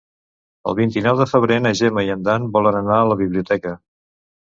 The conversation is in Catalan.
El vint-i-nou de febrer na Gemma i en Dan volen anar a la biblioteca.